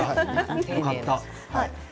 よかった。